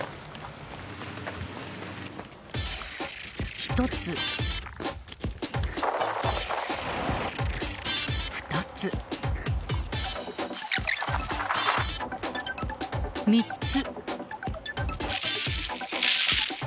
１つ、２つ、３つ。